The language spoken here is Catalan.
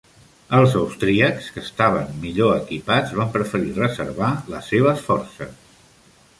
Els austríacs, que estaven millor equipats, van preferir reservar les seves forces.